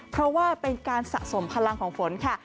เพราะว่าเป็นการสะสมพลังของฝนค่ะ